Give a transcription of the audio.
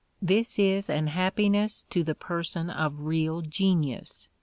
This is an happiness to the person of real genius